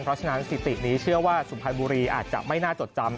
เพราะฉะนั้นสิตินี้เชื่อว่าสุพรรณบุรีอาจจะไม่น่าจดจำ